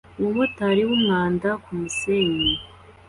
Umumotari wumwanda kumusenyi